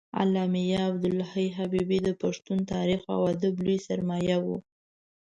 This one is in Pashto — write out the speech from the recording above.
علامه عبدالحی حبیبي د پښتون تاریخ او ادب لوی سرمایه و